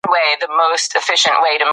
تاسو څنګه مېوې د ژمي لپاره په کور کې ساتئ؟